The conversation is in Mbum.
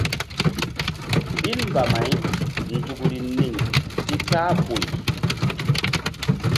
Ɓil mbamay nzukri niŋ si kpah ɓoy.